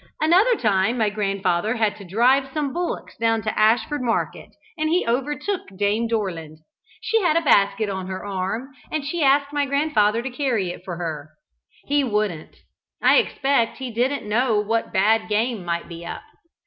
Another time my grandfather had to drive some bullocks down to Ashford market, and he overtook Dame Dorland. She had a basket on her arm, and she asked my grandfather to carry it for her. He wouldn't. I expect he didn't know what bad game might be up.